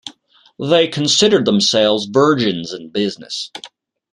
They considered themselves virgins in business.